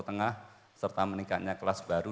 tengah serta meningkatnya kelas baru